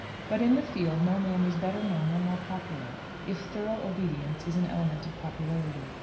But in the field no man was better known, or more popular, if thorough obedience is an element of popularity.